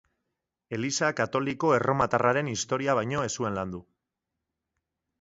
Eliza Katoliko Erromatarraren historia baino ez zuen landu.